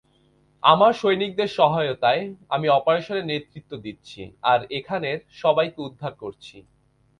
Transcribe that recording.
আমার সৈনিকদের সহায়তায়, আমি অপারেশনের নেতৃত্ব দিচ্ছি আর এখানের সবাইকে উদ্ধার করছি।